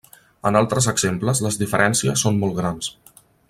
En altres exemples les diferències són molt grans.